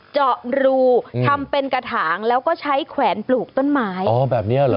เจาะรูทำเป็นกระถางแล้วก็ใช้แขวนปลูกต้นไม้อ๋อแบบนี้เหรอ